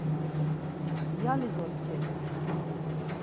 Yaliz otzǩedi!